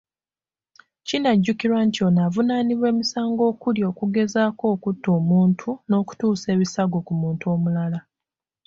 Kinajjukirwa nti ono avunaanibwa emisango okuli; okugezaako okutta omuntu, n'okutuusa ebisago ku muntu omulala.